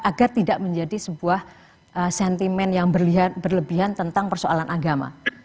agar tidak menjadi sebuah sentimen yang berlebihan tentang persoalan agama